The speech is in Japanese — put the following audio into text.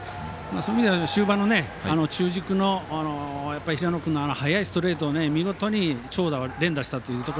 終盤の中軸の平野君の速いストレートを見事に長打を連打したという。